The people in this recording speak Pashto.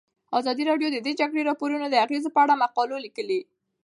ازادي راډیو د د جګړې راپورونه د اغیزو په اړه مقالو لیکلي.